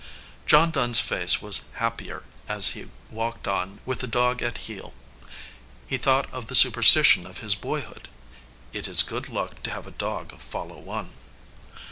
John Dunn s face was happier as he walked on 286 "A RETREAT TO THE GOAL" with the dog at heel. He thought of the supersti tion of his boyhood "It is good luck to have a dog follow one."